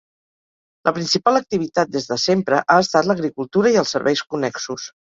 La principal activitat des de sempre ha estat l'agricultura i els serveis connexos.